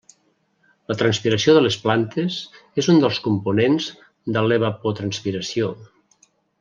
La transpiració de les plantes és un dels components de l'evapotranspiració.